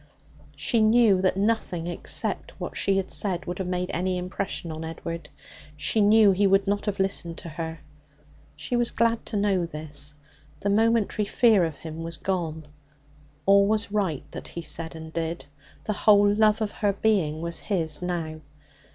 She knew that nothing except what she had said would have made any impression on Edward; she knew he would not have listened to her. She was glad to know this. The momentary fear of him was gone. All was right that he said and did. The whole love of her being was his now.